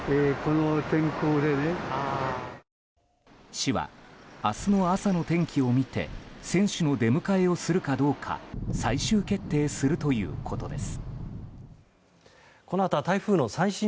市は、明日の朝の天気を見て選手の出迎えをするかどうか最終決定するということです。